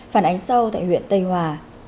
phản ánh sau tại huyện tây hòa